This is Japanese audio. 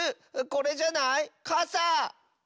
これじゃない？かさ！